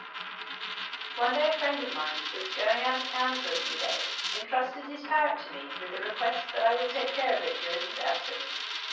One day a friend of mine, who was going out of town for a few days, intrusted his parrot to me with the request that I would take care of it during his absence.